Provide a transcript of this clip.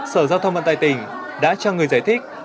sở giao thông vận tài tỉnh đã cho người giải thích